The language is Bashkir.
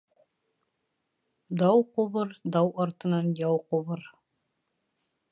Дау ҡубыр, дау артынан яу ҡубыр.